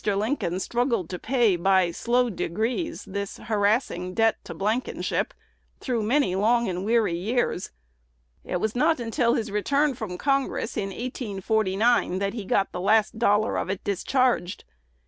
Lincoln struggled to pay, by slow degrees, this harassing debt to Blankenship, through many long and weary years. It was not until his return from Congress, in 1849, that he got the last dollar of it discharged.